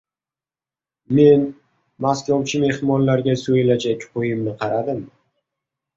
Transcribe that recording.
Men maskovchi mehmonlarga so‘yilajak qo‘yimni qaradim.